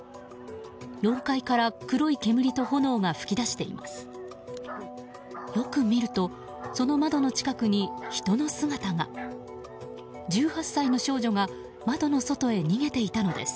４階から黒い煙と炎が噴き出しています。